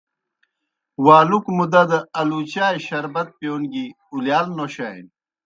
والُکوْ مُدا دہ آلُوچائے شربت پِیون گیْ اُلِیال نوشانیْ۔